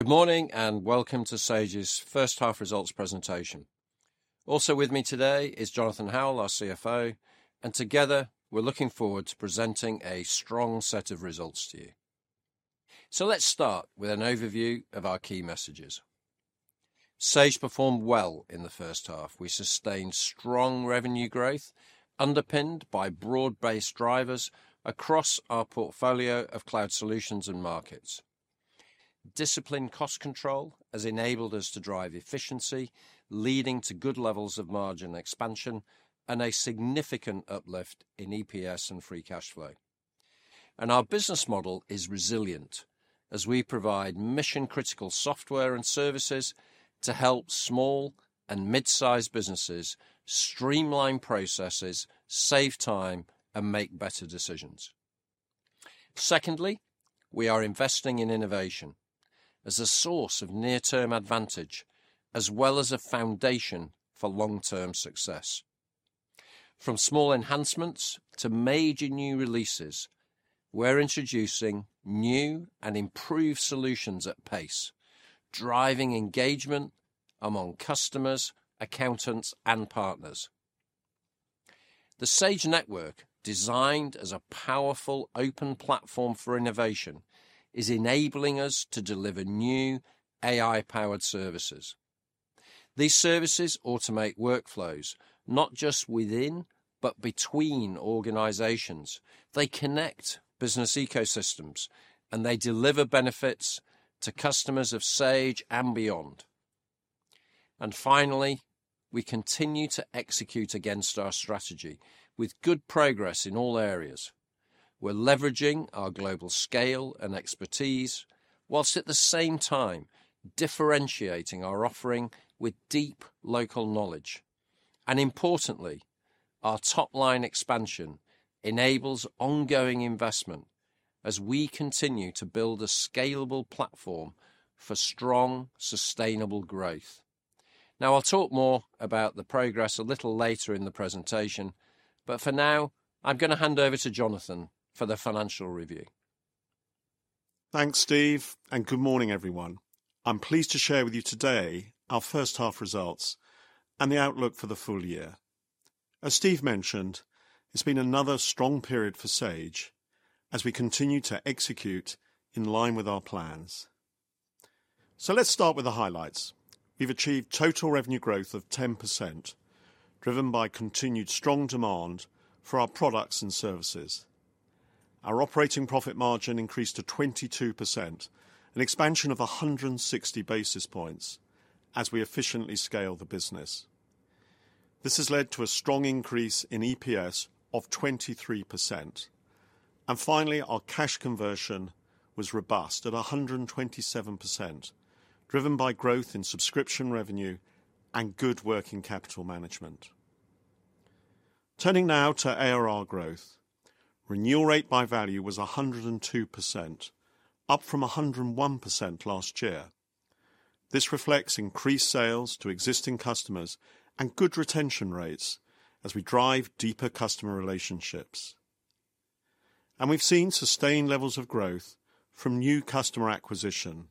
Good morning, and welcome to Sage's first half results presentation. Also with me today is Jonathan Howell, our CFO, and together, we're looking forward to presenting a strong set of results to you. So let's start with an overview of our key messages. Sage performed well in the first half. We sustained strong revenue growth, underpinned by broad-based drivers across our portfolio of cloud solutions and markets. Disciplined cost control has enabled us to drive efficiency, leading to good levels of margin expansion and a significant uplift in EPS and free cash flow. And our business model is resilient, as we provide mission-critical software and services to help small and mid-sized businesses streamline processes, save time, and make better decisions. Secondly, we are investing in innovation as a source of near-term advantage, as well as a foundation for long-term success. From small enhancements to major new releases, we're introducing new and improved solutions at pace, driving engagement among customers, accountants, and partners. The Sage Network, designed as a powerful open platform for innovation, is enabling us to deliver new AI-powered services. These services automate workflows, not just within, but between organizations. They connect business ecosystems, and they deliver benefits to customers of Sage and beyond. And finally, we continue to execute against our strategy with good progress in all areas. We're leveraging our global scale and expertise, while at the same time, differentiating our offering with deep local knowledge. And importantly, our top-line expansion enables ongoing investment as we continue to build a scalable platform for strong, sustainable growth. Now, I'll talk more about the progress a little later in the presentation, but for now, I'm gonna hand over to Jonathan for the financial review. Thanks, Steve, and good morning, everyone. I'm pleased to share with you today our first half results and the outlook for the full year. As Steve mentioned, it's been another strong period for Sage as we continue to execute in line with our plans. So let's start with the highlights. We've achieved total revenue growth of 10%, driven by continued strong demand for our products and services. Our operating profit margin increased to 22%, an expansion of 160 basis points, as we efficiently scale the business. This has led to a strong increase in EPS of 23%. And finally, our cash conversion was robust at 127%, driven by growth in subscription revenue and good working capital management. Turning now to ARR growth. Renewal rate by value was 102%, up from 101% last year. This reflects increased sales to existing customers and good retention rates as we drive deeper customer relationships. We've seen sustained levels of growth from new customer acquisition.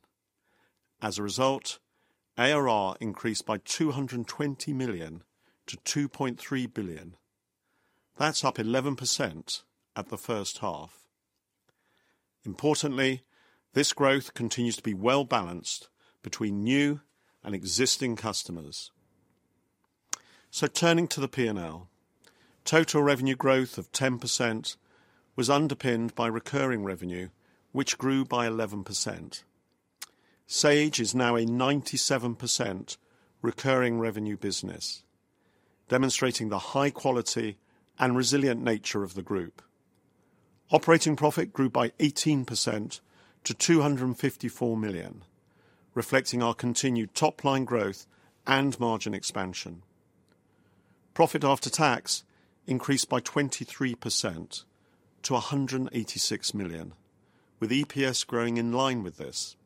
As a result, ARR increased by 220 million to 2.3 billion. That's up 11% at the first half. Importantly, this growth continues to be well-balanced between new and existing customers. Turning to the P&L. Total revenue growth of 10% was underpinned by recurring revenue, which grew by 11%. Sage is now a 97% recurring revenue business, demonstrating the high quality and resilient nature of the group. Operating profit grew by 18% to 254 million, reflecting our continued top-line growth and margin expansion. Profit after tax increased by 23% to £186 million, with EPS growing in line with this.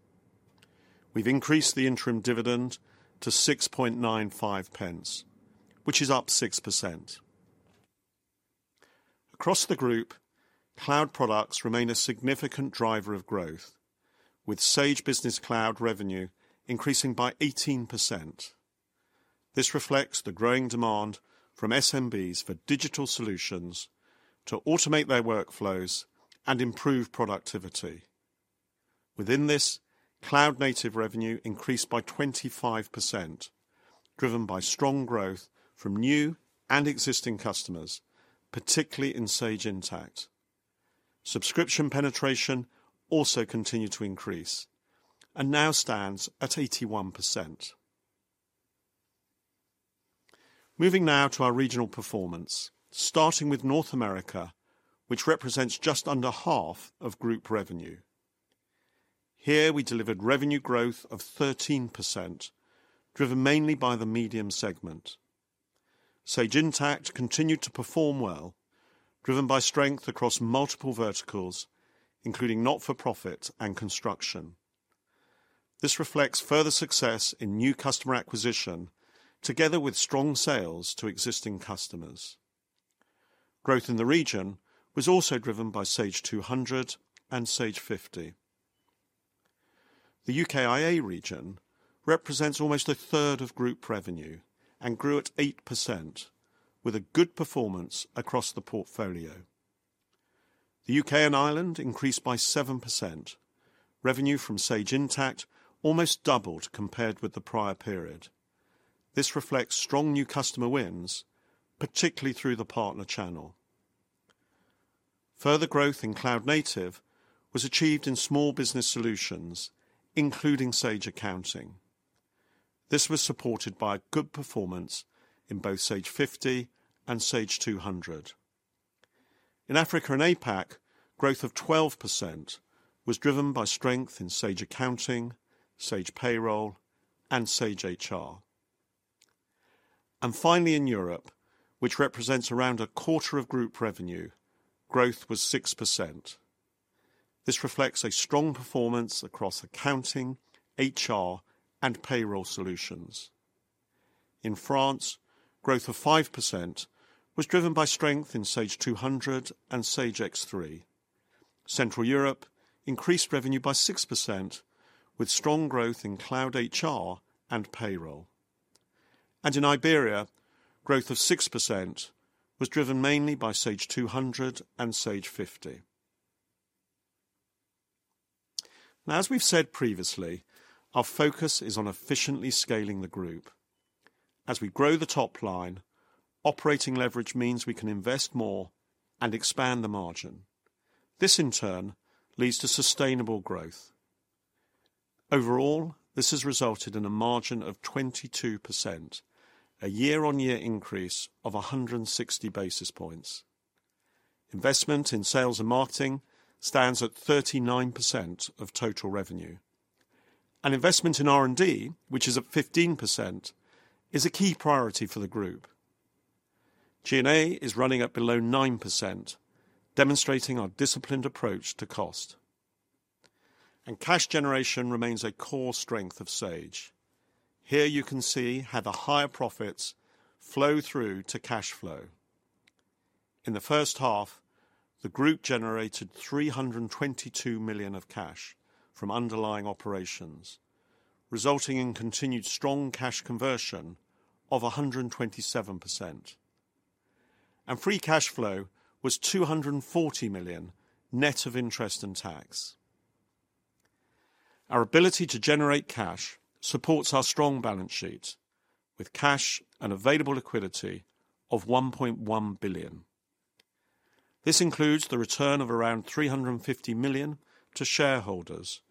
We've increased the interim dividend to 6.95 pence, which is up 6%. Across the group, cloud products remain a significant driver of growth, with Sage Business Cloud revenue increasing by 18%. This reflects the growing demand from SMBs for digital solutions to automate their workflows and improve productivity. Within this, cloud native revenue increased by 25%, driven by strong growth from new and existing customers, particularly in Sage Intacct. Subscription penetration also continued to increase and now stands at 81%. Moving now to our regional performance, starting with North America, which represents just under half of group revenue. Here, we delivered revenue growth of 13%, driven mainly by the medium segment. Sage Intacct continued to perform well, driven by strength across multiple verticals, including not-for-profit and construction. This reflects further success in new customer acquisition, together with strong sales to existing customers. Growth in the region was also driven by Sage 200 and Sage 50. The U.K. and Ireland region represents almost a third of group revenue and grew at 8%, with a good performance across the portfolio. The U.K. and Ireland increased by 7%. Revenue from Sage Intacct almost doubled compared with the prior period. This reflects strong new customer wins, particularly through the partner channel. Further growth in cloud native was achieved in small business solutions, including Sage Accounting. This was supported by a good performance in both Sage 50 and Sage 200. In Africa and APAC, growth of 12% was driven by strength in Sage Accounting, Sage Payroll, and Sage HR. Finally, in Europe, which represents around a quarter of group revenue, growth was 6%. This reflects a strong performance across accounting, HR, and payroll solutions. In France, growth of 5% was driven by strength in Sage 200 and Sage X3. Central Europe increased revenue by 6%, with strong growth in cloud HR and payroll. In Iberia, growth of 6% was driven mainly by Sage 200 and Sage 50. Now, as we've said previously, our focus is on efficiently scaling the group. As we grow the top line, operating leverage means we can invest more and expand the margin. This, in turn, leads to sustainable growth. Overall, this has resulted in a margin of 22%, a year-on-year increase of 160 basis points. Investment in sales and marketing stands at 39% of total revenue. Investment in R&D, which is at 15%, is a key priority for the group. G&A is running at below 9%, demonstrating our disciplined approach to cost. Cash generation remains a core strength of Sage. Here you can see how the higher profits flow through to cash flow. In the first half, the group generated 322 million of cash from underlying operations, resulting in continued strong cash conversion of 127%. Free cash flow was 240 million, net of interest and tax. Our ability to generate cash supports our strong balance sheet with cash and available liquidity of 1.1 billion. This includes the return of around 350 million to shareholders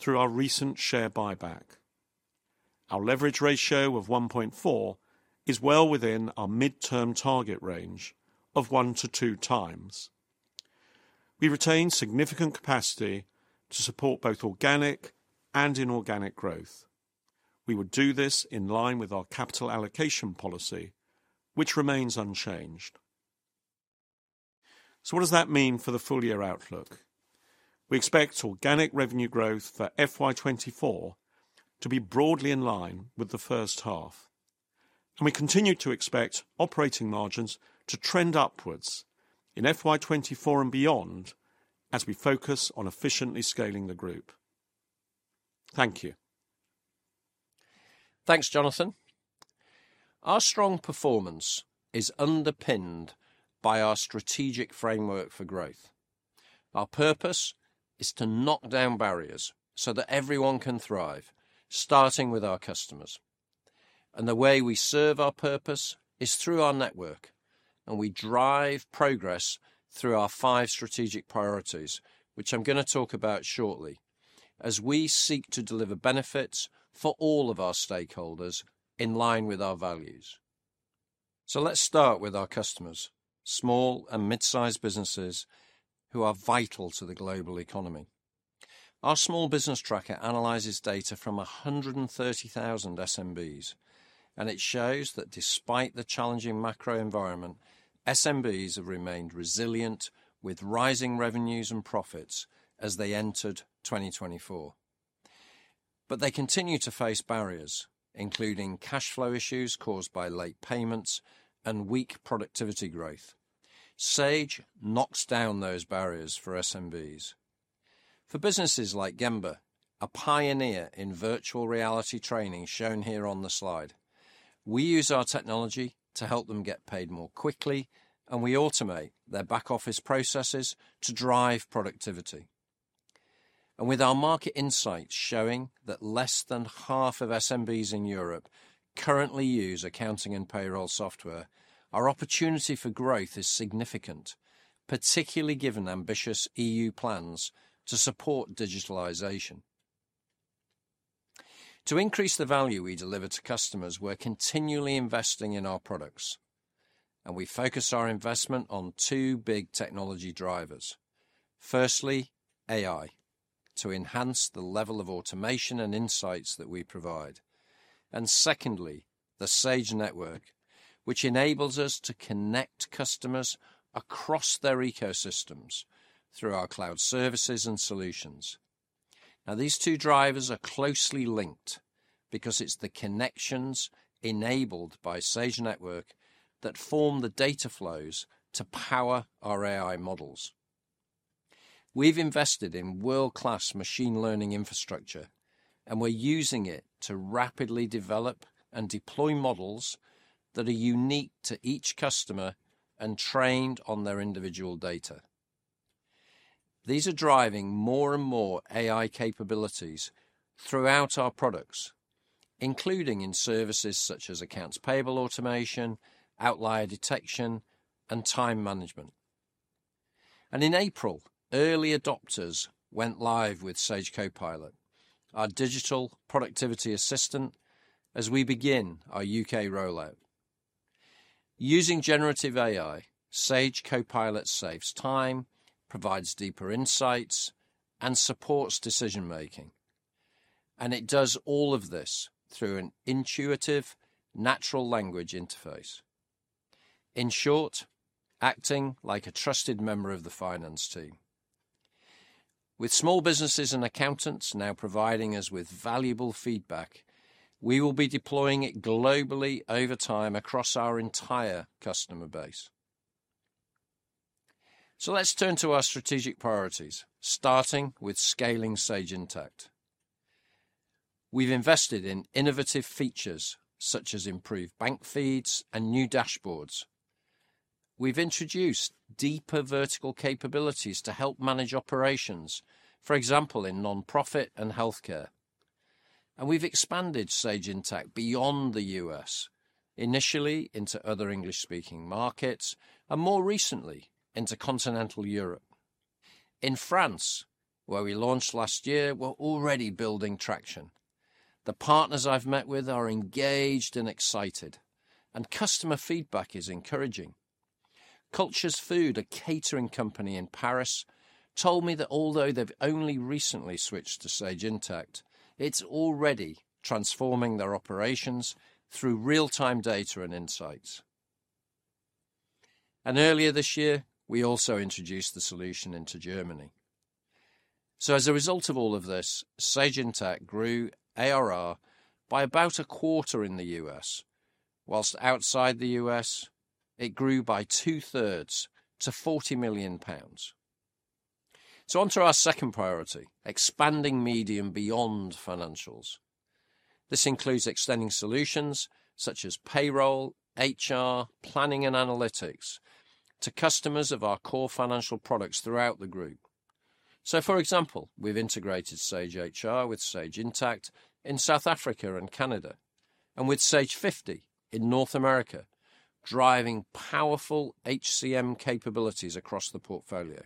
through our recent share buyback. Our leverage ratio of 1.4 is well within our midterm target range of 1x-2x. We retain significant capacity to support both organic and inorganic growth. We would do this in line with our capital allocation policy, which remains unchanged. So what does that mean for the full-year outlook? We expect organic revenue growth for FY 2024 to be broadly in line with the first half, and we continue to expect operating margins to trend upwards in FY 2024 and beyond as we focus on efficiently scaling the group. Thank you. Thanks, Jonathan. Our strong performance is underpinned by our strategic framework for growth. Our purpose is to knock down barriers so that everyone can thrive, starting with our customers. And the way we serve our purpose is through our network, and we drive progress through our five strategic priorities, which I'm gonna talk about shortly, as we seek to deliver benefits for all of our stakeholders in line with our values. So let's start with our customers, small and mid-sized businesses who are vital to the global economy. Our small business tracker analyzes data from 130,000 SMBs, and it shows that despite the challenging macro environment, SMBs have remained resilient, with rising revenues and profits as they entered 2024. But they continue to face barriers, including cash flow issues caused by late payments and weak productivity growth. Sage knocks down those barriers for SMBs. For businesses like Gemba, a pioneer in virtual reality training, shown here on the slide, we use our technology to help them get paid more quickly, and we automate their back-office processes to drive productivity. With our market insights showing that less than half of SMBs in Europe currently use accounting and payroll software, our opportunity for growth is significant, particularly given ambitious EU plans to support digitalization. To increase the value we deliver to customers, we're continually investing in our products, and we focus our investment on two big technology drivers. Firstly, AI, to enhance the level of automation and insights that we provide. Secondly, the Sage Network, which enables us to connect customers across their ecosystems through our cloud services and solutions.... Now, these two drivers are closely linked, because it's the connections enabled by Sage Network that form the data flows to power our AI models. We've invested in world-class machine learning infrastructure, and we're using it to rapidly develop and deploy models that are unique to each customer and trained on their individual data. These are driving more and more AI capabilities throughout our products, including in services such as accounts payable automation, outlier detection, and time management. And in April, early adopters went live with Sage Copilot, our digital productivity assistant, as we begin our U.K. rollout. Using generative AI, Sage Copilot saves time, provides deeper insights, and supports decision-making, and it does all of this through an intuitive, natural language interface. In short, acting like a trusted member of the finance team. With small businesses and accountants now providing us with valuable feedback, we will be deploying it globally over time across our entire customer base. Let's turn to our strategic priorities, starting with scaling Sage Intacct. We've invested in innovative features, such as improved bank feeds and new dashboards. We've introduced deeper vertical capabilities to help manage operations, for example, in nonprofit and healthcare. We've expanded Sage Intacct beyond the U.S., initially into other English-speaking markets, and more recently, into Continental Europe. In France, where we launched last year, we're already building traction. The partners I've met with are engaged and excited, and customer feedback is encouraging. Culture Food, a catering company in Paris, told me that although they've only recently switched to Sage Intacct, it's already transforming their operations through real-time data and insights. Earlier this year, we also introduced the solution into Germany. So as a result of all of this, Sage Intacct grew ARR by about 25% in the U.S., while outside the U.S., it grew by 67% to 40 million pounds. So on to our second priority, expanding mid-market beyond financials. This includes extending solutions such as payroll, HR, planning, and analytics to customers of our core financial products throughout the group. So, for example, we've integrated Sage HR with Sage Intacct in South Africa and Canada, and with Sage 50 in North America, driving powerful HCM capabilities across the portfolio.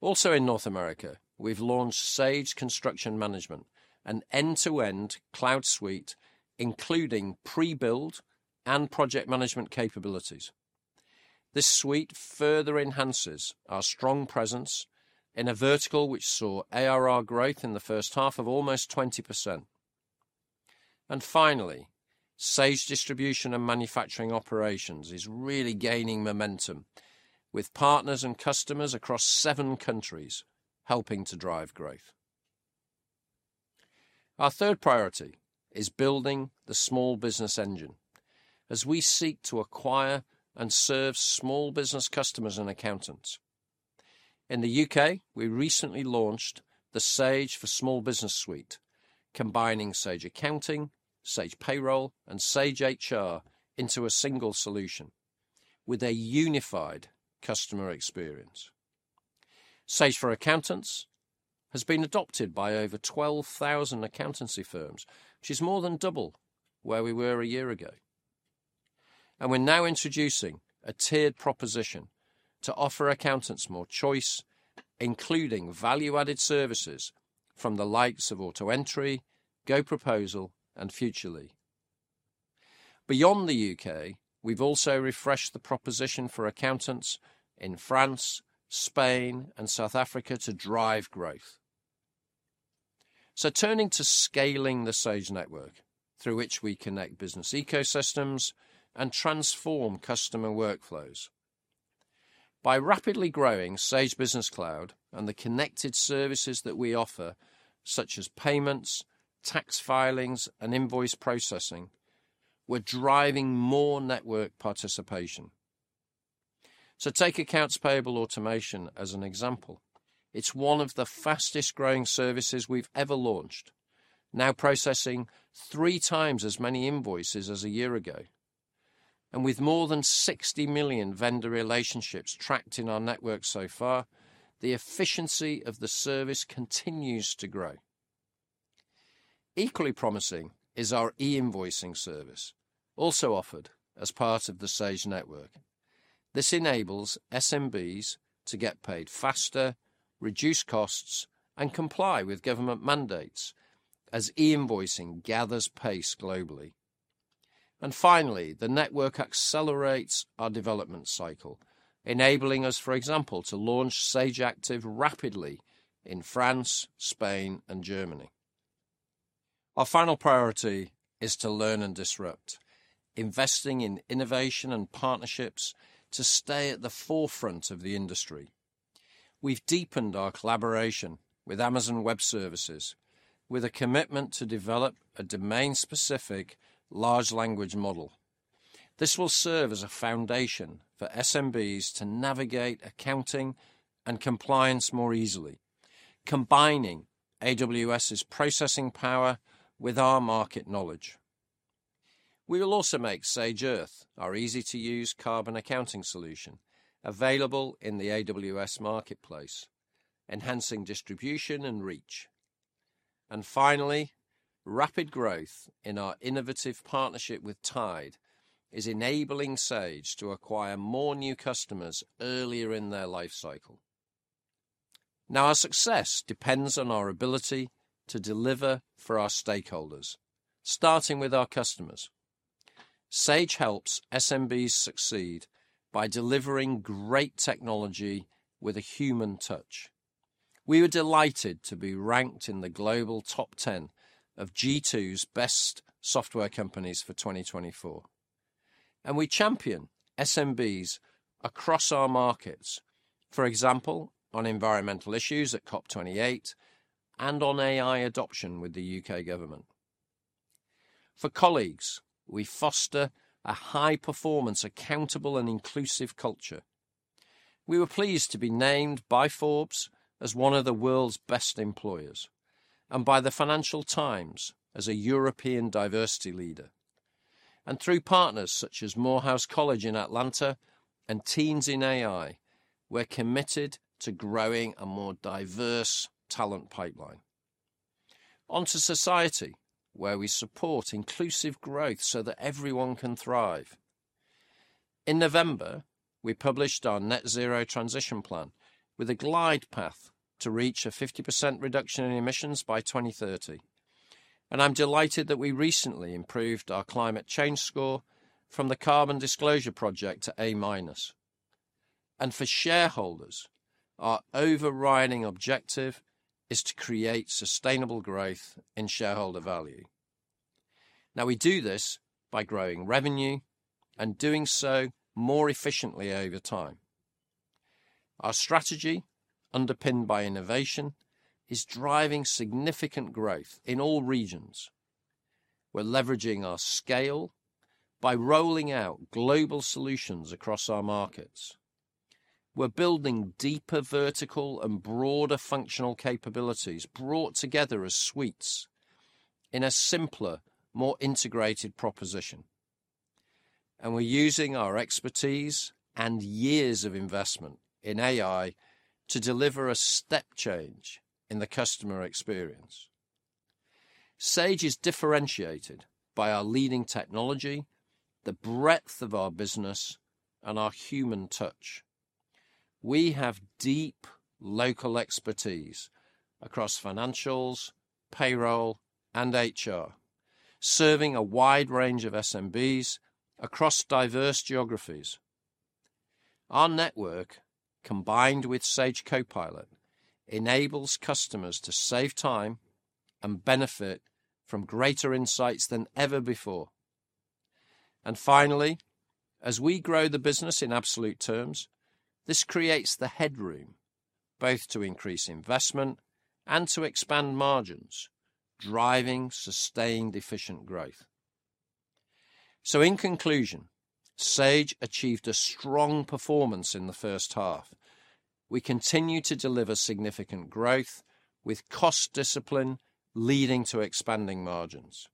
Also in North America, we've launched Sage Construction Management, an end-to-end cloud suite, including pre-build and project management capabilities. This suite further enhances our strong presence in a vertical which saw ARR growth in the first half of almost 20%. Finally, Sage Distribution and Manufacturing Operations is really gaining momentum with partners and customers across seven countries, helping to drive growth. Our third priority is building the small business engine as we seek to acquire and serve small business customers and accountants. In the U.K., we recently launched the Sage for Small Business Suite, combining Sage Accounting, Sage Payroll, and Sage HR into a single solution with a unified customer experience. Sage for Accountants has been adopted by over 12,000 accountancy firms, which is more than double where we were a year ago. We're now introducing a tiered proposition to offer accountants more choice, including value-added services from the likes of AutoEntry, GoProposal, and Futrli. Beyond the U.K., we've also refreshed the proposition for accountants in France, Spain, and South Africa to drive growth. Turning to scaling the Sage Network, through which we connect business ecosystems and transform customer workflows. By rapidly growing Sage Business Cloud and the connected services that we offer, such as payments, tax filings, and invoice processing, we're driving more network participation. Take accounts payable automation as an example. It's one of the fastest-growing services we've ever launched, now processing 3x as many invoices as a year ago. With more than 60 million vendor relationships tracked in our network so far, the efficiency of the service continues to grow. Equally promising is our e-invoicing service, also offered as part of the Sage Network. This enables SMBs to get paid faster, reduce costs, and comply with government mandates as e-invoicing gathers pace globally. Finally, the network accelerates our development cycle, enabling us, for example, to launch Sage Active rapidly in France, Spain, and Germany. Our final priority is to learn and disrupt, investing in innovation and partnerships to stay at the forefront of the industry. We've deepened our collaboration with Amazon Web Services, with a commitment to develop a domain-specific large language model. This will serve as a foundation for SMBs to navigate accounting and compliance more easily, combining AWS's processing power with our market knowledge. We will also make Sage Earth, our easy-to-use carbon accounting solution, available in the AWS marketplace, enhancing distribution and reach. And finally, rapid growth in our innovative partnership with Tide is enabling Sage to acquire more new customers earlier in their life cycle. Now, our success depends on our ability to deliver for our stakeholders, starting with our customers. Sage helps SMBs succeed by delivering great technology with a human touch. We were delighted to be ranked in the global top ten of G2's Best Software Companies for 2024, and we champion SMBs across our markets, for example, on environmental issues at COP 28 and on AI adoption with the U.K. government. For colleagues, we foster a high-performance, accountable, and inclusive culture. We were pleased to be named by Forbes as one of the world's best employers and by the Financial Times as a European diversity leader. Through partners such as Morehouse College in Atlanta and Teens in AI, we're committed to growing a more diverse talent pipeline. Onto society, where we support inclusive growth so that everyone can thrive. In November, we published our Net Zero transition plan with a glide path to reach a 50% reduction in emissions by 2030, and I'm delighted that we recently improved our climate change score from the Carbon Disclosure Project to A minus. For shareholders, our overriding objective is to create sustainable growth in shareholder value. Now, we do this by growing revenue and doing so more efficiently over time. Our strategy, underpinned by innovation, is driving significant growth in all regions. We're leveraging our scale by rolling out global solutions across our markets. We're building deeper vertical and broader functional capabilities, brought together as suites in a simpler, more integrated proposition. We're using our expertise and years of investment in AI to deliver a step change in the customer experience. Sage is differentiated by our leading technology, the breadth of our business, and our human touch. We have deep local expertise across financials, payroll, and HR, serving a wide range of SMBs across diverse geographies. Our network, combined with Sage Copilot, enables customers to save time and benefit from greater insights than ever before. And finally, as we grow the business in absolute terms, this creates the headroom, both to increase investment and to expand margins, driving sustained, efficient growth. So in conclusion, Sage achieved a strong performance in the first half. We continue to deliver significant growth, with cost discipline leading to expanding margins.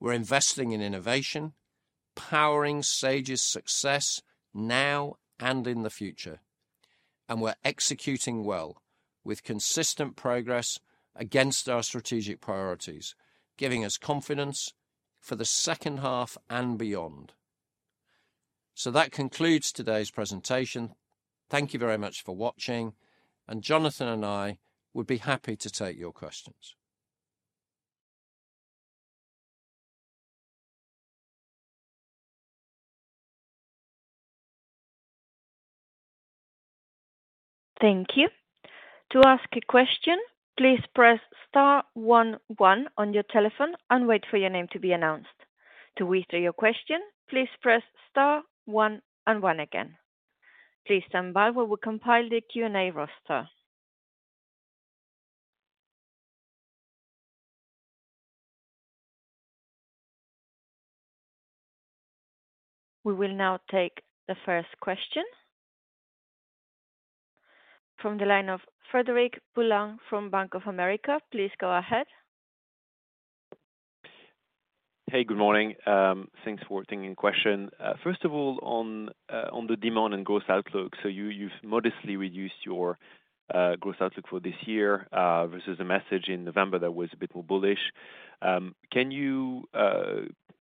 We're investing in innovation, powering Sage's success now and in the future, and we're executing well with consistent progress against our strategic priorities, giving us confidence for the second half and beyond. So that concludes today's presentation. Thank you very much for watching, and Jonathan and I would be happy to take your questions. Thank you. To ask a question, please press star one one on your telephone and wait for your name to be announced. To withdraw your question, please press star one and one again. Please stand by while we compile the Q&A roster. We will now take the first question. From the line of Frederic Boulan from Bank of America, please go ahead. Hey, good morning. Thanks for taking the question. First of all, on the demand and growth outlook, so you've modestly reduced your growth outlook for this year versus a message in November that was a bit more bullish. Can you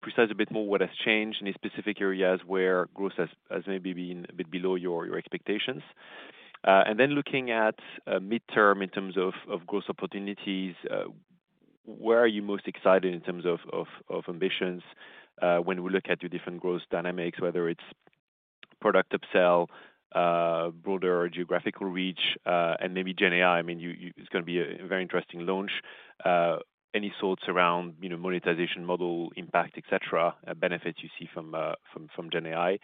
precise a bit more what has changed, any specific areas where growth has maybe been a bit below your expectations? And then looking at midterm in terms of growth opportunities, where are you most excited in terms of ambitions when we look at your different growth dynamics, whether it's product upsell, broader geographical reach, and maybe GenAI. I mean, it's gonna be a very interesting launch. Any thoughts around, you know, monetization, model impact, et cetera, benefits you see from GenAI?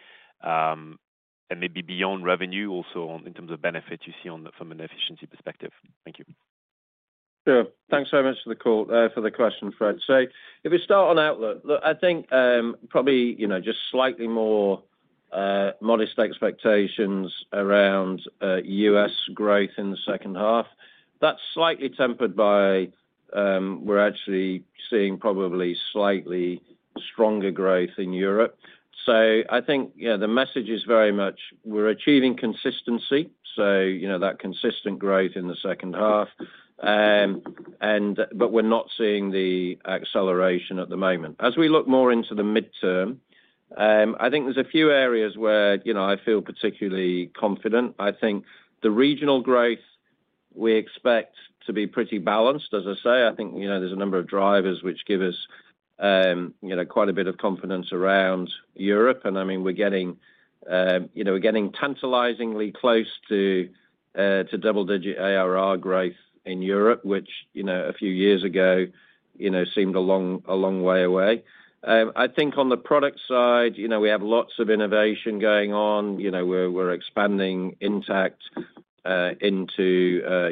Maybe beyond revenue, also in terms of benefits you see from an efficiency perspective. Thank you. Sure. Thanks so much for the call, for the question, Fred. So if we start on outlook, look, I think, probably, you know, just slightly more modest expectations around U.S. growth in the second half. That's slightly tempered by, we're actually seeing probably slightly stronger growth in Europe. So I think, you know, the message is very much we're achieving consistency, so you know, that consistent growth in the second half. And but we're not seeing the acceleration at the moment. As we look more into the midterm, I think there's a few areas where, you know, I feel particularly confident. I think the regional growth, we expect to be pretty balanced. As I say, I think, you know, there's a number of drivers which give us, you know, quite a bit of confidence around Europe, and I mean, we're getting, you know, we're getting tantalizingly close to, to double digit ARR growth in Europe, which, you know, a few years ago, you know, seemed a long, a long way away. I think on the product side, you know, we have lots of innovation going on. You know, we're, we're expanding Intacct, into,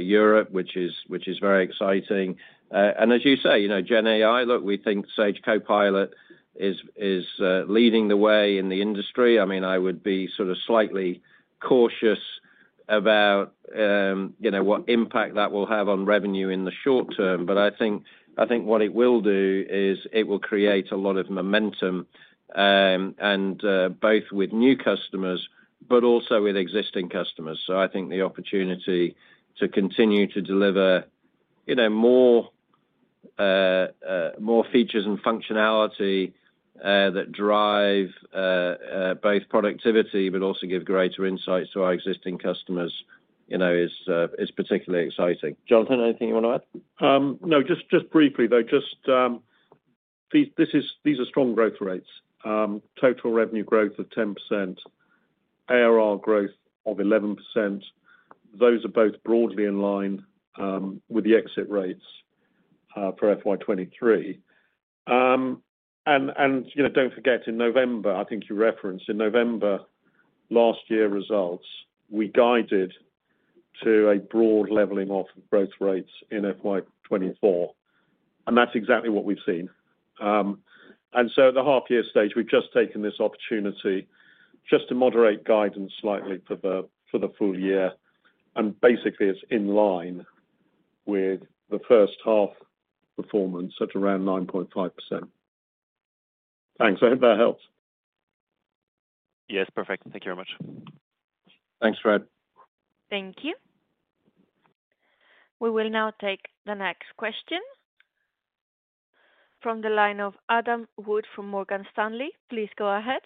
Europe, which is, which is very exciting. And as you say, you know, GenAI, look, we think Sage Copilot is, is, leading the way in the industry. I mean, I would be sort of slightly cautious about, you know, what impact that will have on revenue in the short term, but I think, I think what it will do is it will create a lot of momentum, and both with new customers, but also with existing customers. So I think the opportunity to continue to deliver, you know, more, more features and functionality, that drive both productivity, but also give greater insights to our existing customers, you know, is, is particularly exciting. Jonathan, anything you wanna add? No, just, just briefly though, just, this is—these are strong growth rates. Total revenue growth of 10%, ARR growth of 11%. Those are both broadly in line with the exit rates for FY 2023. And, and, you know, don't forget, in November, I think you referenced, in November last year results, we guided to a broad leveling off of growth rates in FY 2024, and that's exactly what we've seen. And so at the half year stage, we've just taken this opportunity just to moderate guidance slightly for the, for the full year, and basically it's in line with the first half performance at around 9.5%. Thanks. I hope that helps. Yes, perfect. Thank you very much. Thanks, Fred. Thank you. We will now take the next question from the line of Adam Wood from Morgan Stanley. Please go ahead.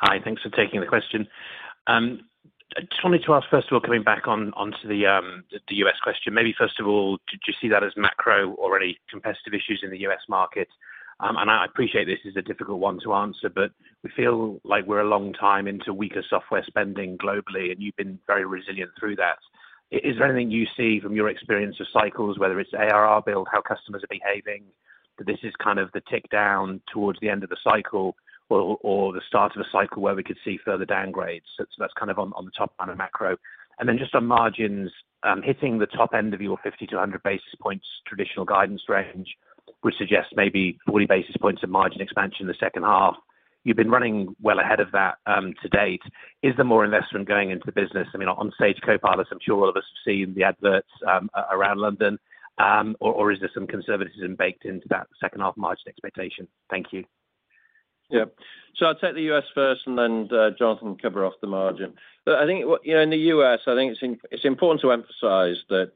Hi, thanks for taking the question. I just wanted to ask, first of all, coming back on, onto the, the U.S. question, maybe first of all, did you see that as macro or any competitive issues in the U.S. market? And I appreciate this is a difficult one to answer, but we feel like we're a long time into weaker software spending globally, and you've been very resilient through that. Is there anything you see from your experience of cycles, whether it's ARR build, how customers are behaving, that this is kind of the tick down towards the end of the cycle or, or the start of a cycle where we could see further downgrades? So that's kind of on, on the top end of macro. Then just on margins, hitting the top end of your 50 basis points-100 basis points traditional guidance range, which suggests maybe 40 basis points of margin expansion in the second half. You've been running well ahead of that to date. Is there more investment going into the business? I mean, on Sage Copilot, I'm sure all of us have seen the adverts around London, or is there some conservatism baked into that second half margin expectation? Thank you. Yep. So I'll take the U.S. first, and then Jonathan cover off the margin. But I think what... You know, in the U.S., I think it's important to emphasize that,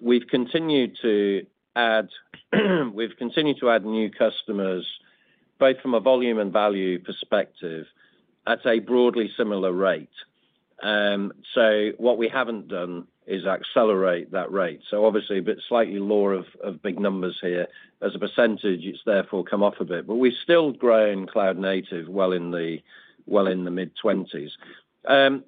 we've continued to add, we've continued to add new customers, both from a volume and value perspective, at a broadly similar rate. So what we haven't done is accelerate that rate. So obviously, a bit slightly lower of big numbers here. As a percentage, it's therefore come off a bit, but we've still grown cloud native well in the mid-20s.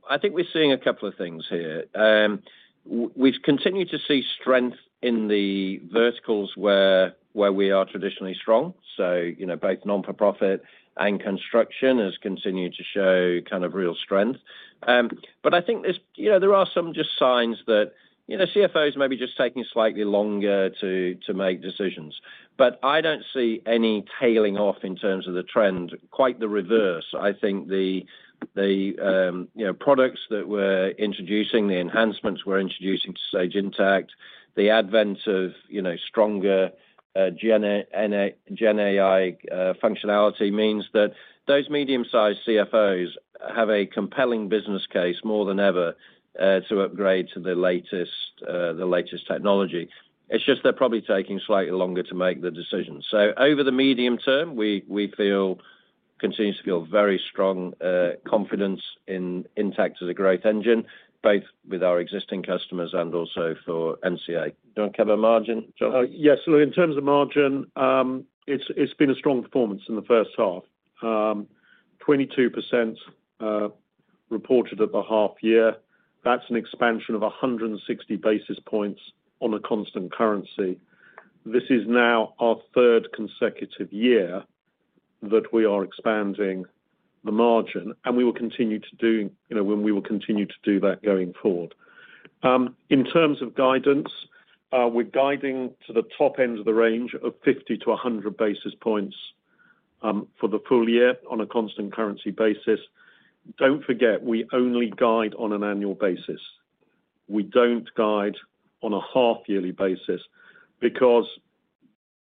I think we're seeing a couple of things here. We've continued to see strength in the verticals where we are traditionally strong. So, you know, both non-for-profit and construction has continued to show kind of real strength. But I think there's, you know, there are some just signs that, you know, CFOs may be just taking slightly longer to, to make decisions. But I don't see any tailing off in terms of the trend, quite the reverse. I think you know, products that we're introducing, the enhancements we're introducing to Sage Intacct, the advent of, you know, stronger GenAI functionality means that those medium-sized CFOs have a compelling business case more than ever to upgrade to the latest technology. It's just they're probably taking slightly longer to make the decision. So over the medium term, we feel... continue to feel very strong confidence in Intacct as a growth engine, both with our existing customers and also for NCA. Do you want to cover margin, Jonathan? Yes. So in terms of margin, it's, it's been a strong performance in the first half. Twenty-two percent, reported at the half year, that's an expansion of a hundred and sixty basis points on a constant currency. This is now our third consecutive year that we are expanding the margin, and we will continue to do, you know, when we will continue to do that going forward. In terms of guidance, we're guiding to the top end of the range of fifty to a hundred basis points, for the full year on a constant currency basis. Don't forget, we only guide on an annual basis. We don't guide on a half yearly basis, because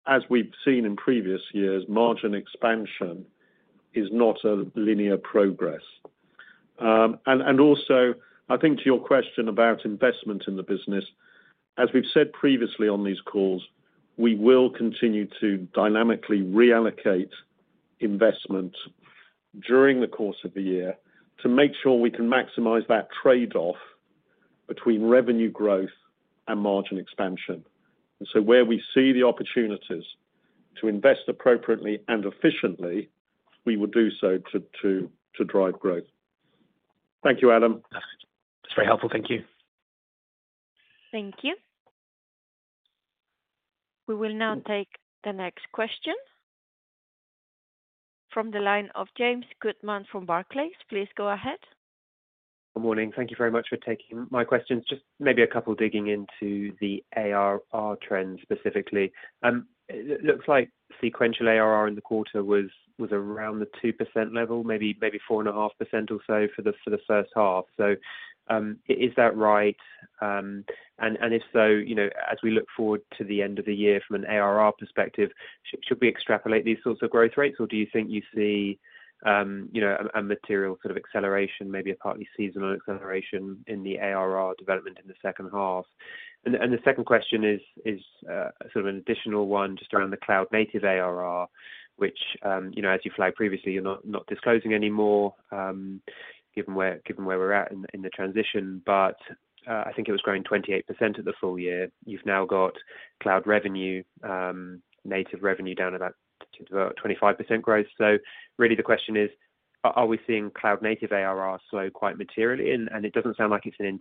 as we've seen in previous years, margin expansion is not a linear progress. Also, I think to your question about investment in the business, as we've said previously on these calls, we will continue to dynamically reallocate investment during the course of the year, to make sure we can maximize that trade-off between revenue growth and margin expansion. And so where we see the opportunities to invest appropriately and efficiently, we will do so to drive growth. Thank you, Adam. That's very helpful. Thank you. Thank you. We will now take the next question. From the line of James Goodman from Barclays. Please go ahead. Good morning. Thank you very much for taking my questions. Just maybe a couple digging into the ARR trends specifically. It looks like sequential ARR in the quarter was around the 2% level, maybe 4.5% or so for the first half. So, is that right? And if so, you know, as we look forward to the end of the year from an ARR perspective, should we extrapolate these sorts of growth rates, or do you think you see, you know, a material sort of acceleration, maybe a partly seasonal acceleration in the ARR development in the second half? The second question is sort of an additional one, just around the cloud native ARR, which, you know, as you flagged previously, you're not disclosing anymore, given where we're at in the transition. But I think it was growing 28% of the full year. You've now got cloud revenue, native revenue down to about 25% growth. So really the question is, are we seeing cloud native ARR slow quite materially? And it doesn't sound like it's in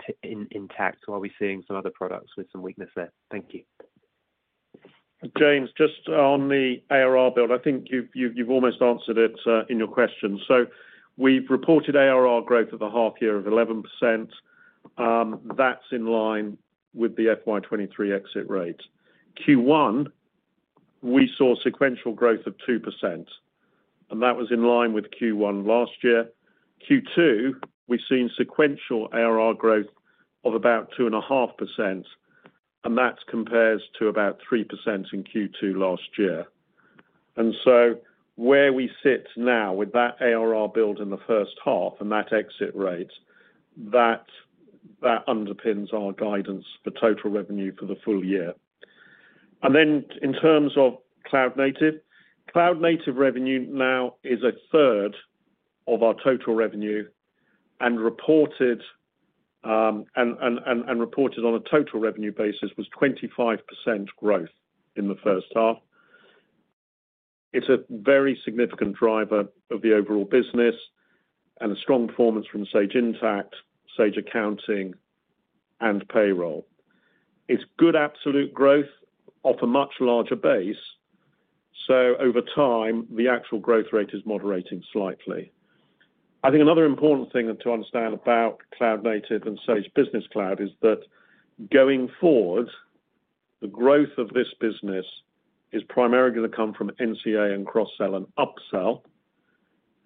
Intacct. So are we seeing some other products with some weakness there? Thank you. James, just on the ARR build, I think you've almost answered it in your question. So we've reported ARR growth of the half year of 11%. That's in line with the FY 2023 exit rate. Q1, we saw sequential growth of 2%, and that was in line with Q1 last year. Q2, we've seen sequential ARR growth of about 2.5%, and that compares to about 3% in Q2 last year. And so where we sit now with that ARR build in the first half and that exit rate, that underpins our guidance for total revenue for the full year. And then in terms of cloud native, cloud native revenue now is a third of our total revenue, and reported on a total revenue basis was 25% growth in the first half. It's a very significant driver of the overall business and a strong performance from Sage Intacct, Sage Accounting and Payroll. It's good absolute growth off a much larger base, so over time, the actual growth rate is moderating slightly. I think another important thing to understand about cloud native and Sage Business Cloud is that going forward, the growth of this business is primarily going to come from NCA and cross-sell and upsell,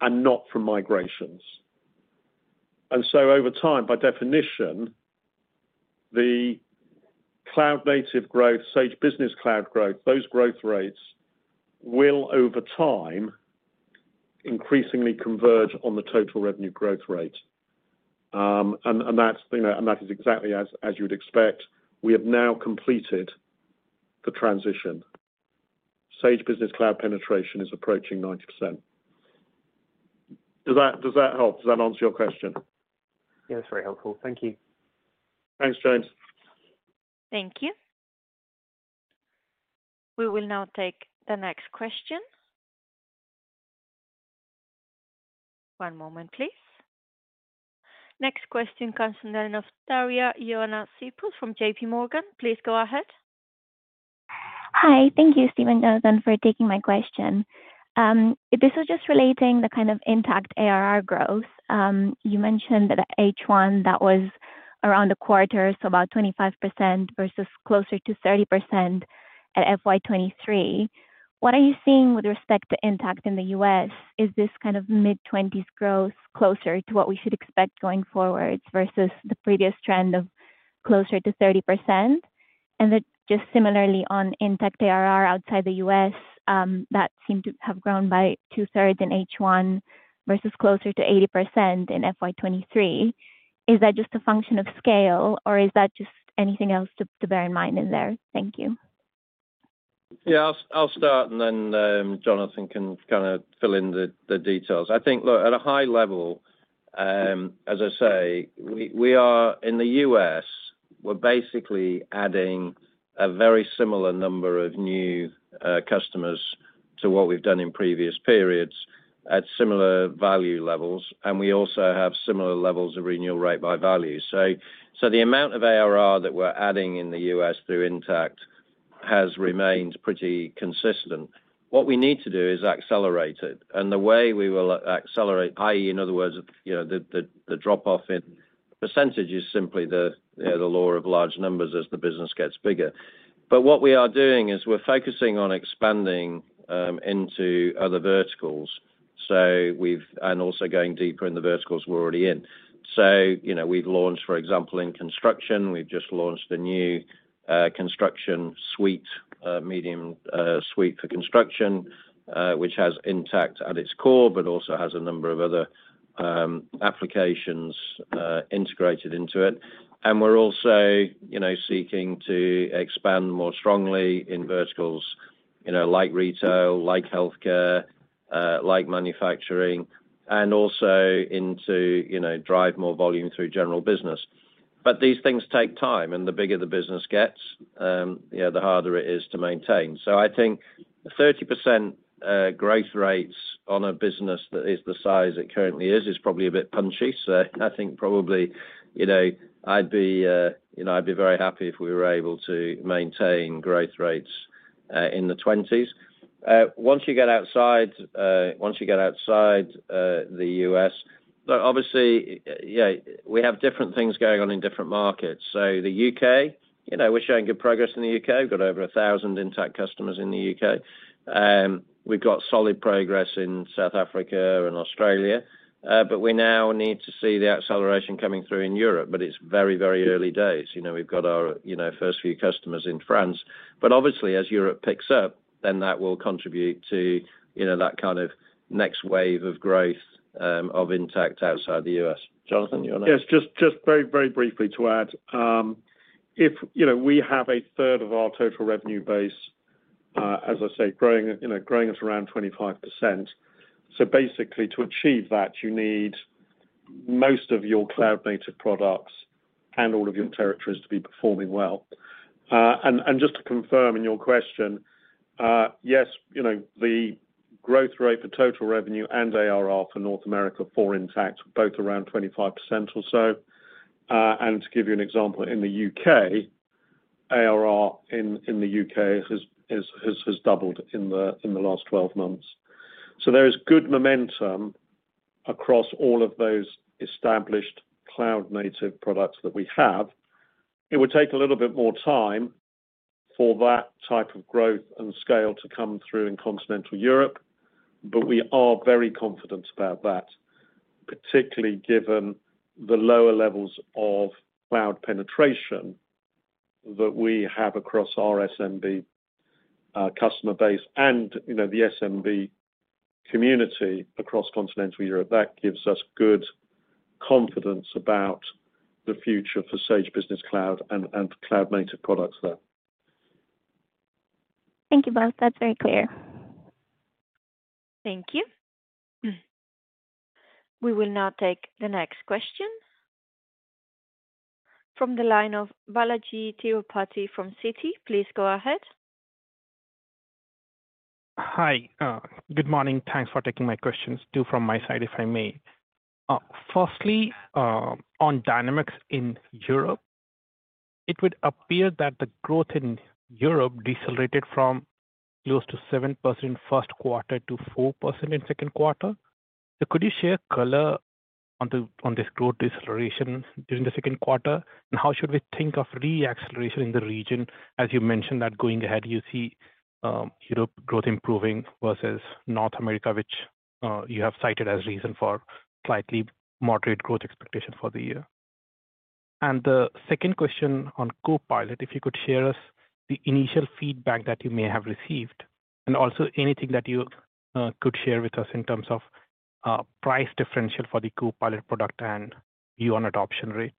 and not from migrations. And so over time, by definition, the cloud native growth, Sage Business Cloud growth, those growth rates will, over time, increasingly converge on the total revenue growth rate. And that's, you know, and that is exactly as you'd expect. We have now completed the transition. Sage Business Cloud penetration is approaching 90%. Does that help? Does that answer your question? Yeah, it's very helpful. Thank you. Thanks, James. Thank you. We will now take the next question. One moment, please. Next question comes from the line of Daria-Ioana Sipos from JPMorgan. Please go ahead. Hi. Thank you, Steve and Jonathan, for taking my question. This is just relating the kind of Intacct ARR growth. You mentioned that at H1, that was around a quarter, so about 25% versus closer to 30% at FY 2023. What are you seeing with respect to Intacct in the U.S.? Is this kind of mid-20s growth closer to what we should expect going forward versus the previous trend of closer to 30%? And then just similarly on Intacct ARR outside the U.S., that seemed to have grown by 2/3 in H1 versus closer to 80% in FY 2023. Is that just a function of scale, or is that just anything else to bear in mind in there? Thank you. Yeah, I'll start and then Jonathan can kind of fill in the details. I think, look, at a high level, as I say, we are in the U.S. we're basically adding a very similar number of new customers to what we've done in previous periods at similar value levels, and we also have similar levels of renewal rate by value. So the amount of ARR that we're adding in the U.S. through Intacct has remained pretty consistent. What we need to do is accelerate it, and the way we will accelerate, i.e., in other words, you know, the drop-off in percentage is simply the, you know, the law of large numbers as the business gets bigger. But what we are doing is we're focusing on expanding into other verticals. So we've and also going deeper in the verticals we're already in. So, you know, we've launched, for example, in construction, we've just launched a new construction suite, mid-market suite for construction, which has Intacct at its core, but also has a number of other applications integrated into it. And we're also, you know, seeking to expand more strongly in verticals, you know, like retail, like healthcare, like manufacturing, and also into, you know, drive more volume through general business. But these things take time, and the bigger the business gets, you know, the harder it is to maintain. So I think 30% growth rates on a business that is the size it currently is is probably a bit punchy. So I think probably, you know, I'd be, you know, I'd be very happy if we were able to maintain growth rates in the 20s. Once you get outside, once you get outside, the U.S., but obviously, yeah, we have different things going on in different markets. So the U.K., you know, we're showing good progress in the U.K., got over 1,000 Intacct customers in the U.K. We've got solid progress in South Africa and Australia, but we now need to see the acceleration coming through in Europe, but it's very, very early days. You know, we've got our, you know, first few customers in France, but obviously, as Europe picks up, then that will contribute to, you know, that kind of next wave of growth, of Intacct outside the U.S. Jonathan, you want to- Yes, just, just very, very briefly to add. If, you know, we have a third of our total revenue base, as I say, growing, you know, growing at around 25%. So basically, to achieve that, you need most of your cloud-native products and all of your territories to be performing well. And just to confirm in your question, yes, you know, the growth rate for total revenue and ARR for North America for Intacct, both around 25% or so. And to give you an example, in the U.K., ARR in the U.K. has doubled in the last 12 months. So there is good momentum across all of those established cloud-native products that we have. It would take a little bit more time for that type of growth and scale to come through in continental Europe, but we are very confident about that, particularly given the lower levels of cloud penetration that we have across our SMB, customer base and, you know, the SMB community across continental Europe. That gives us good confidence about the future for Sage Business Cloud and, and cloud-native products there. Thank you, both. That's very clear. Thank you. We will now take the next question. From the line of Balajee Tirupati from Citi, please go ahead. Hi. Good morning. Thanks for taking my questions, two from my side, if I may. Firstly, on dynamics in Europe, it would appear that the growth in Europe decelerated from close to 7% first quarter to 4% in second quarter. So could you share color on this growth deceleration during the second quarter, and how should we think of re-acceleration in the region, as you mentioned, that going ahead, you see, Europe growth improving versus North America, which you have cited as reason for slightly moderate growth expectation for the year? And the second question on Copilot, if you could share us the initial feedback that you may have received, and also anything that you could share with us in terms of, price differential for the Copilot product and view on adoption rate.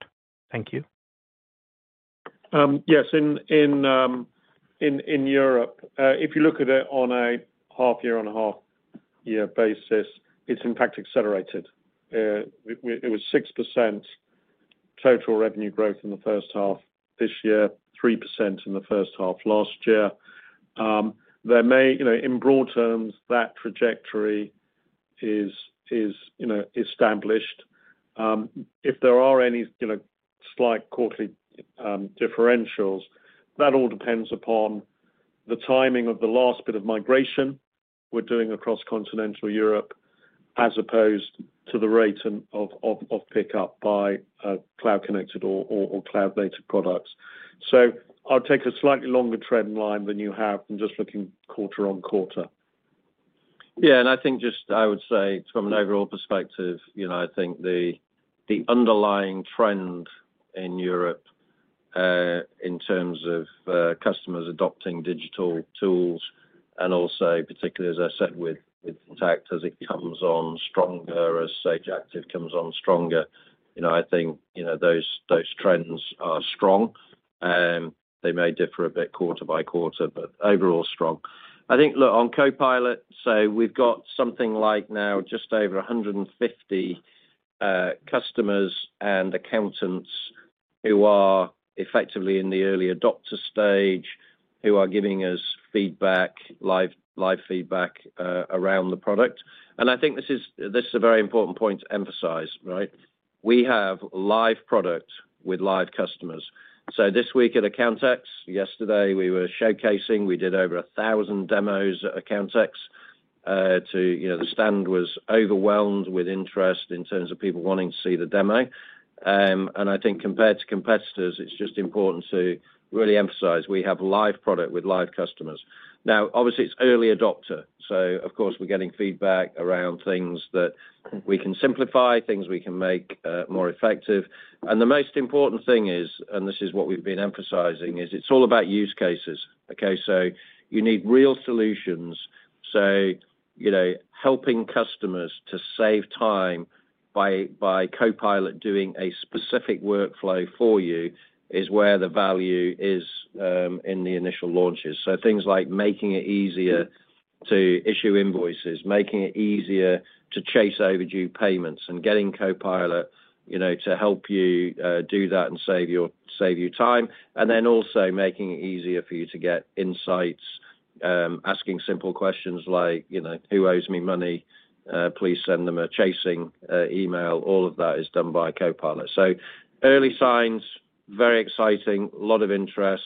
Thank you. Yes, in Europe, if you look at it on a half year, on a half year basis, it's in fact accelerated. It was 6% total revenue growth in the first half this year, 3% in the first half last year. There may... You know, in broad terms, that trajectory is, you know, established. If there are any, you know, slight quarterly differentials, that all depends upon the timing of the last bit of migration we're doing across continental Europe, as opposed to the rate of pickup by cloud connected or cloud-native products. So I'll take a slightly longer trend line than you have in just looking quarter-on-quarter. Yeah, and I think just I would say from an overall perspective, you know, I think the, the underlying trend in Europe, in terms of, customers adopting digital tools, and also particularly, as I said, with, with Intacct, as it comes on stronger, as Sage Active comes on stronger, you know, I think, you know, those, those trends are strong. They may differ a bit quarter by quarter, but overall strong. I think, look, on Copilot, so we've got something like now just over 150 customers and accountants who are effectively in the early adopter stage, who are giving us feedback, live, live feedback, around the product. And I think this is, this is a very important point to emphasize, right? We have live product with live customers. So this week at Accountex, yesterday, we were showcasing, we did over 1,000 demos at Accountex, to, you know, the stand was overwhelmed with interest in terms of people wanting to see the demo. And I think compared to competitors, it's just important to really emphasize, we have live product with live customers. Now, obviously, it's early adopter, so of course, we're getting feedback around things that we can simplify, things we can make, more effective. And the most important thing is, and this is what we've been emphasizing, is it's all about use cases. Okay, so you need real solutions. So, you know, helping customers to save time by, by Copilot doing a specific workflow for you, is where the value is, in the initial launches. So things like making it easier to issue invoices, making it easier to chase overdue payments, and getting Copilot, you know, to help you, do that and save you time. And then also making it easier for you to get insights, asking simple questions like, you know, "Who owes me money? Please send them a chasing email." All of that is done by Copilot. So early signs, very exciting, a lot of interest.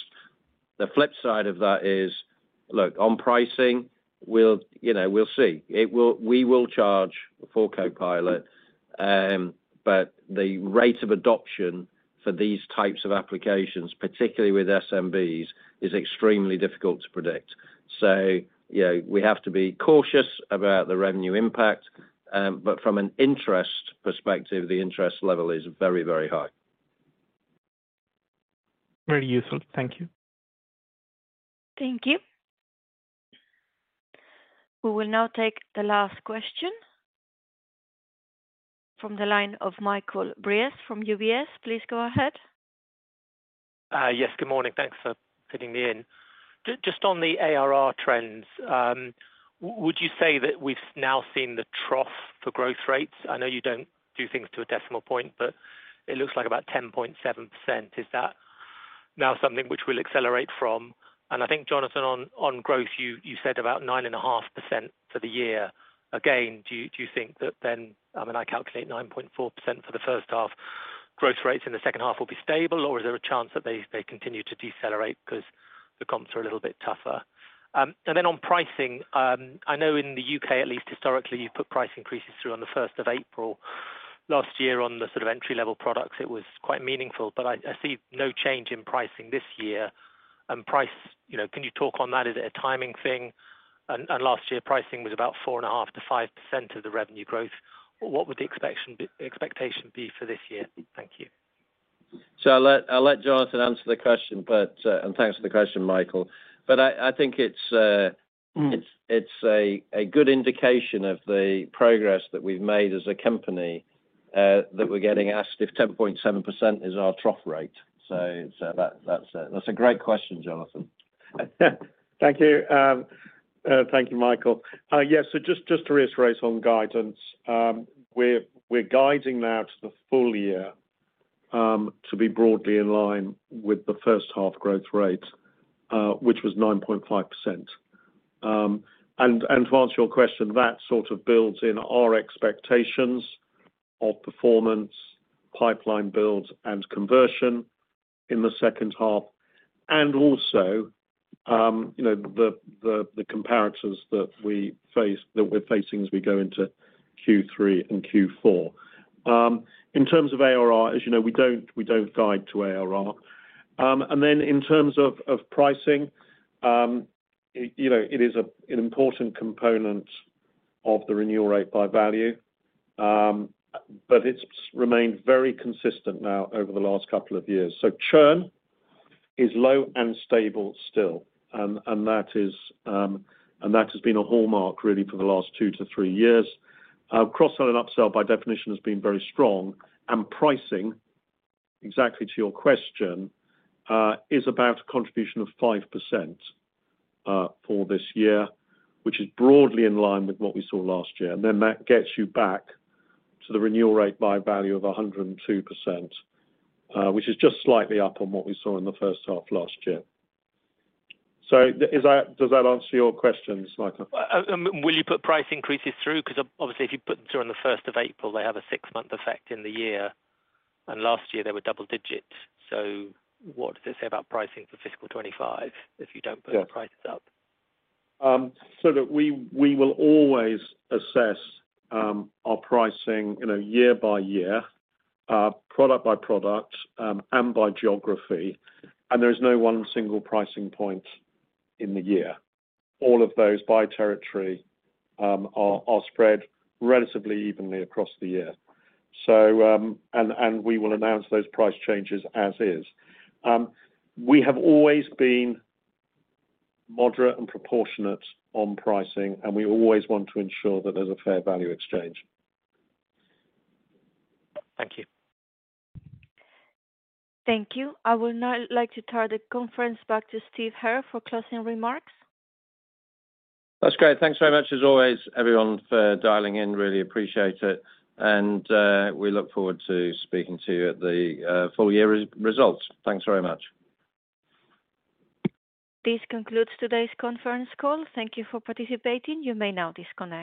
The flip side of that is, look, on pricing, we'll, you know, we'll see. It will... We will charge for Copilot, but the rate of adoption for these types of applications, particularly with SMBs, is extremely difficult to predict. So, you know, we have to be cautious about the revenue impact, but from an interest perspective, the interest level is very, very high. Very useful. Thank you. Thank you. We will now take the last question from the line of Michael Briest from UBS. Please go ahead. Yes, good morning. Thanks for fitting me in. Just on the ARR trends, would you say that we've now seen the trough for growth rates? I know you don't do things to a decimal point, but it looks like about 10.7%. Is that now something which we'll accelerate from? And I think, Jonathan, on growth, you said about 9.5% for the year. Again, do you think that then, I mean, I calculate 9.4% for the first half, growth rates in the second half will be stable, or is there a chance that they continue to decelerate because the comps are a little bit tougher? And then on pricing, I know in the U.K. at least historically, you've put price increases through on the first of April. Last year, on the sort of entry-level products, it was quite meaningful, but I see no change in pricing this year. And pricing, you know, can you talk on that? Is it a timing thing? And last year, pricing was about 4.5%-5% of the revenue growth. What would the expectation be for this year? Thank you. I'll let Jonathan answer the question, but, and thanks for the question, Michael. But I think it's, Mm.... It's a good indication of the progress that we've made as a company that we're getting asked if 10.7% is our trough rate. So that's a great question, Jonathan. Thank you. Thank you, Michael. Yes, so just to reiterate on guidance, we're guiding now to the full year to be broadly in line with the first half growth rate, which was 9.5%. And to answer your question, that sort of builds in our expectations of performance, pipeline builds, and conversion in the second half, and also, you know, the comparisons that we face, that we're facing as we go into Q3 and Q4. In terms of ARR, as you know, we don't guide to ARR. And then in terms of pricing, you know, it is an important component of the renewal rate by value, but it's remained very consistent now over the last couple of years. So churn is low and stable still, and that is, and that has been a hallmark really for the last two to three years. Cross-sell and upsell by definition has been very strong, and pricing, exactly to your question, is about a contribution of 5%, for this year, which is broadly in line with what we saw last year. And then that gets you back to the renewal rate by value of 102%, which is just slightly up on what we saw in the first half last year. So does that answer your questions, Michael? Will you put price increases through? Because obviously, if you put them through on the first of April, they have a six-month effect in the year, and last year they were double digits. So what does it say about pricing for fiscal 2025 if you don't put- Yeah... the prices up? So, look, we will always assess our pricing, you know, year by year, product by product, and by geography, and there is no one single pricing point in the year. All of those by territory are spread relatively evenly across the year. So, and we will announce those price changes as is. We have always been moderate and proportionate on pricing, and we always want to ensure that there's a fair value exchange. Thank you. Thank you. I would now like to turn the conference back to Steve Hare for closing remarks. That's great. Thanks very much as always, everyone, for dialing in. Really appreciate it, and we look forward to speaking to you at the full year results. Thanks very much. This concludes today's conference call. Thank you for participating. You may now disconnect.